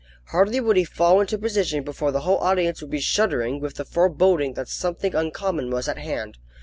Hardly would he fall into position before the whole audience would be shuddering with the foreboding that something uncommon was at hand.